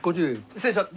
失礼します。